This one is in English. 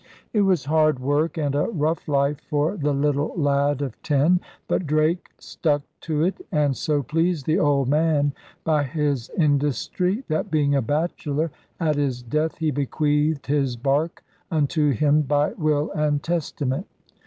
* It was hard work and a rough life for the little lad of ten. But Drake stuck to it, and 'so pleased the old man by his industry that, being a bachelor, at his death he bequeathed his bark unto him by will and testament.